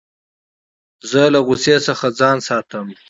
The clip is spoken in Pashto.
زه له غوسې څخه ځان ساتم.